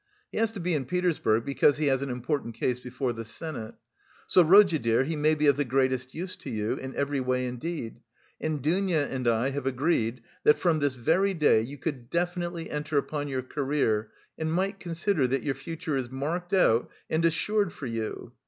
He has to be in Petersburg because he has an important case before the Senate. So, Rodya dear, he may be of the greatest use to you, in every way indeed, and Dounia and I have agreed that from this very day you could definitely enter upon your career and might consider that your future is marked out and assured for you.